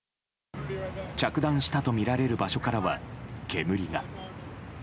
着弾したとみられる場所からは煙が。